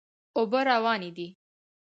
اوبه روانې دي.